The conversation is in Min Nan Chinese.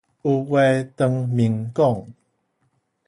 有話當面講